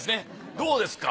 どうですか？